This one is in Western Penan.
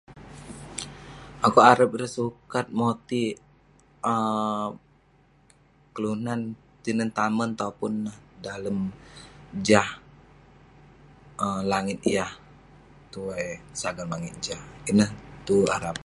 Akouk arap ireh sukat motik um kelunan tinen, tamen, topun dalem jah- um langit yah tuai sagam langit jah. Ineh tuek arap.